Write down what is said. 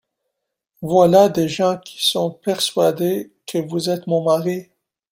Voilà des gens qui sont persuadés que vous êtes mon mari !